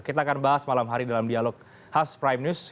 kita akan bahas malam hari dalam dialog khas prime news